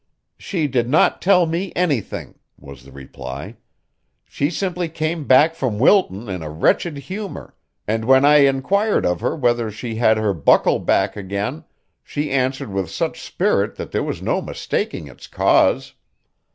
"She did not tell me anything," was the reply. "She simply came back from Wilton in a wretched humor and when I inquired of her whether she had her buckle back again, she answered with such spirit that there was no mistaking its cause.